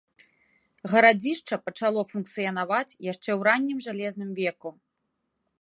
Гарадзішча пачало функцыянаваць яшчэ ў раннім жалезным веку.